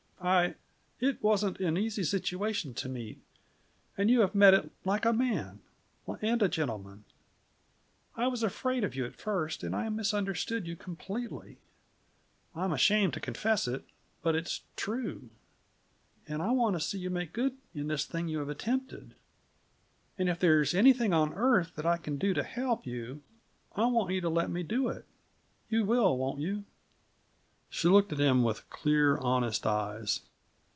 I it wasn't an easy situation to meet, and you have met it like a man and a gentleman. I was afraid of you at first, and I misunderstood you completely. I'm ashamed to confess it, but it's true. And I want to see you make good in this thing you have attempted; and if there's anything on earth that I can do to help you, I want you to let me do it. You will, won't you?" She looked at him then with clear, honest eyes.